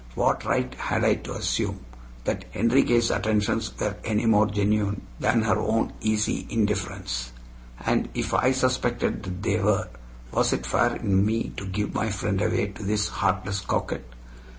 What right had I to assume that Enriquez' attentions were any more genuine than her own easy indifference; and if I suspected that they were, was it fair in me to give my friend away to this heartless coquette?